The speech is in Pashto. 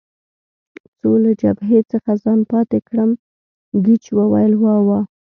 څو له جبهې څخه ځان پاتې کړم، ګېج وویل: وا وا.